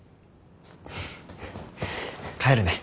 帰るね。